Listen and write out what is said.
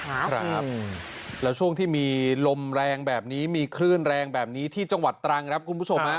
ครับแล้วช่วงที่มีลมแรงแบบนี้มีคลื่นแรงแบบนี้ที่จังหวัดตรังครับคุณผู้ชมฮะ